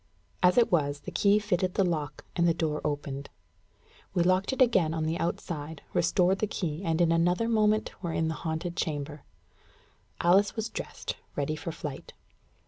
As it was, the key fitted the lock, and the door opened. We locked it again on the outside, restored the key, and in another moment were in the haunted chamber. Alice was dressed, ready for flight.